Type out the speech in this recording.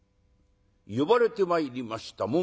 呼ばれてまいりました